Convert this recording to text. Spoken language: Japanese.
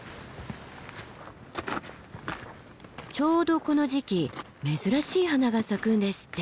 ちょうどこの時期珍しい花が咲くんですって。